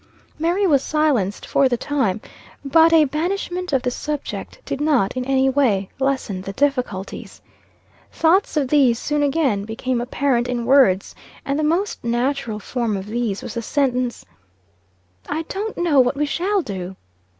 Mary was silenced for the time. But a banishment of the subject did not, in any way, lesson the difficulties. Thoughts of these soon again became apparent in words; and the most natural form of these was the sentence "I don't know what we shall do!"